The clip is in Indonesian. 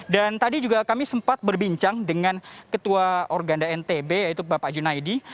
dan tadi juga kami sempat berbincang dengan ketua organda ntb yaitu bapak junaidi